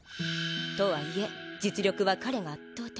とはいえ実力は彼が圧倒的。